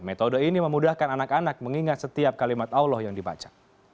metode ini memudahkan anak anak mengingat setiap kalimat allah yang dibaca